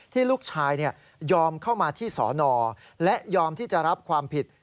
ลูกชายยอมเข้ามาที่สอนอและยอมที่จะรับความผิด